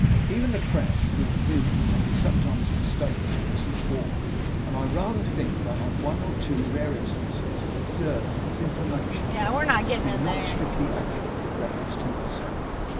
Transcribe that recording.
Even the Press, being human, may be sometimes mistaken or misinformed, and I rather think that I have in one or two rare instances observed its information to be not strictly accurate with reference to myself.